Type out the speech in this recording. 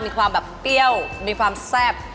มีความแบบเปรี้ยวมีความแซ่บ